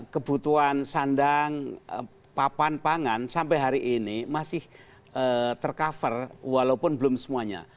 kebutuhan sandang papan pangan sampai hari ini masih tercover walaupun belum semuanya